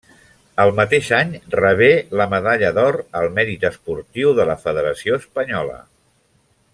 El mateix any rebé la medalla d'or al mèrit esportiu de la federació espanyola.